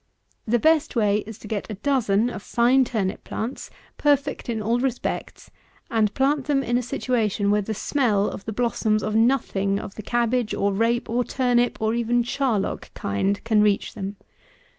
The best way is to get a dozen of fine turnip plants, perfect in all respects, and plant them in a situation where the smell of the blossoms of nothing of the cabbage or rape or turnip or even charlock kind, can reach them.